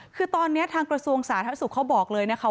คือตอนนี้ทางกระทรวงสาธารณสุขเขาบอกเลยนะคะ